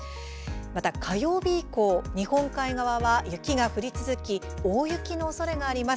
また、火曜日以降日本海側は雪が降り続き大雪のおそれがあります。